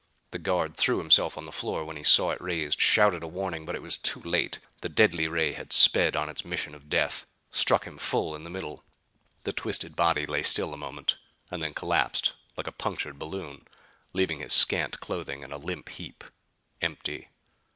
The guard threw himself to the floor when he saw it raised; shouted a warning. But it was too late. The deadly ray had sped on its mission of death; struck him full in the middle. The twisted body lay still a moment and then collapsed like a punctured balloon, leaving his scant clothing in a limp heap empty.